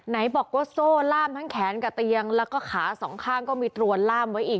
ไหนบอกว่าโซ่ล่ามทั้งแขนกับเตียงแล้วก็ขาสองข้างก็มีตรวนล่ามไว้อีก